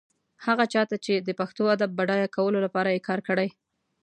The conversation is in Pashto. هغه چا ته چې د پښتو ادب بډایه کولو لپاره يې کار کړی.